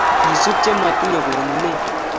kesup chematinye konunet